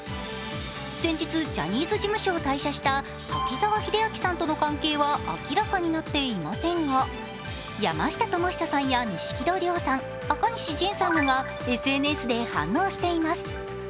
先月、ジャニーズ事務所を退所した滝沢秀明さんとの関係は明らかになっていませんが山下智久さんや錦戸亮さん、赤西仁さんらがＳＮＳで反応しています。